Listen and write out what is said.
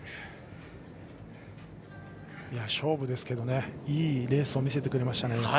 勝負ですけどねいいレースを見せてくれましたね